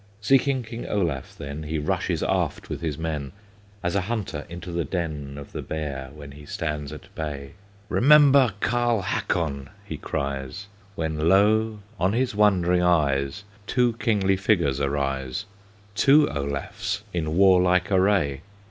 Seeking King Olaf then, He rushes aft with his men, As a hunter into the den Of the bear, when he stands at bay. "Remember Jarl Hakon!" he cries; When lo! on his wondering eyes, Two kingly figures arise, Two Olafs in warlike array!